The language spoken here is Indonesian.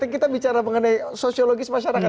kita bicara mengenai sosiologis masyarakat